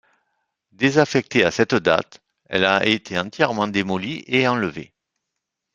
Désaffectée à cette date, elle a été entièrement démolie et enlevée.